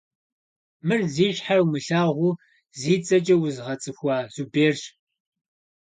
Мыр зи щхьэр умылъагъуу зи цӏэкӏэ уэзгъэцӏыхуа Зуберщ.